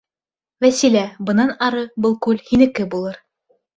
— Вәсилә, бынан ары был күл һинеке булыр...